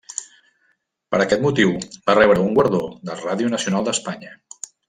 Per aquest motiu va rebre un guardó de Ràdio Nacional d'Espanya.